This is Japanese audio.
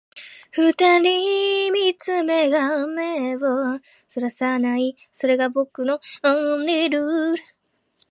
二人見つめ合う目を逸らさない、それが僕のオンリールール